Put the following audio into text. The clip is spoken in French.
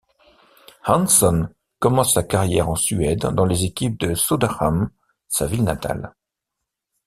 Hansson commence sa carrière en Suède dans les équipes de Soderhamn, sa ville natale.